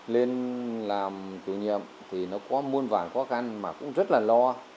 lên làm chủ nhiệm thì nó có muôn vàn khó khăn mà cũng rất là lo